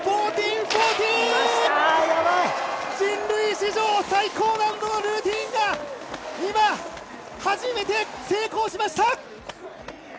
人類史上最高難度のルーティンが初めて成功しました。